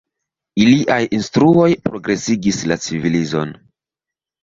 Iliaj instruoj progresigis la civilizon.